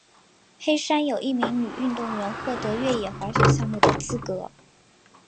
黑山有一名女运动员获得越野滑雪项目的资格。